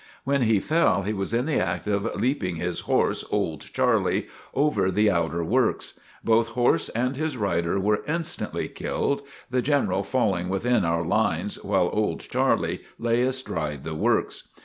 When he fell he was in the act of leaping his horse, "Old Charlie," over the outer works. Both horse and his rider were instantly killed, the General falling within our lines, while old Charlie lay astride the works.